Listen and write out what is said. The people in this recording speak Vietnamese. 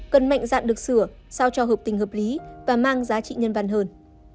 cần mạnh dạn được sửa sao cho hợp tình hợp lý và mang giá trị nhân văn hơn